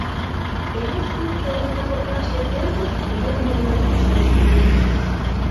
Эре сурт сомылка коклаште пӧрдыт, эре мом-гынат ышташ перна.